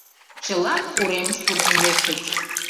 Чылан уремыш куржын лектыч.